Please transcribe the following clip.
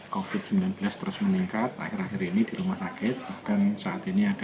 covid sembilan belas terus meningkat akhir akhir ini di rumah sakit